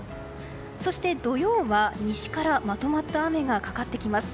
そして土曜は西からまとまった雨がかかってきます。